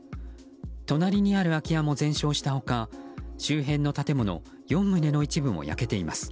隣にある空き家も全焼した他周辺の建物４棟の一部も焼けています。